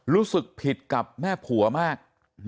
รู้สึกผิดกับแม่ผัวมาก